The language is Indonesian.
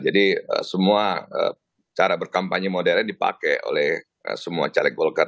jadi semua cara berkampanye modern dipakai oleh semua caleg golkar